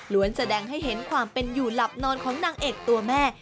แสดงให้เห็นความเป็นอยู่หลับนอนของนางเอกตัวแม่